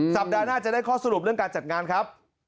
สัปดาห์หน้าจะได้ข้อสรุปเรื่องการจัดงานครับ